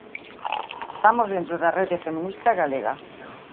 Estamos dentro da rede feminista galega.